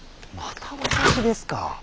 また私ですか。